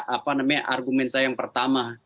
apa namanya argumen saya yang pertama